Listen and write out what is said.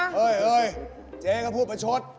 เฮ้ยเอ้ยเจ๊ก็พูดประชด